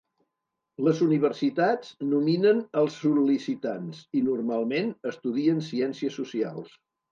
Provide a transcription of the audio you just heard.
Les universitats nominen els sol·licitants i, normalment, estudien ciències socials.